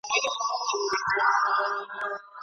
بیا هیلمند په غېږ کي واخلي د لنډیو آوازونه